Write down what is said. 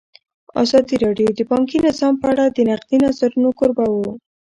ازادي راډیو د بانکي نظام په اړه د نقدي نظرونو کوربه وه.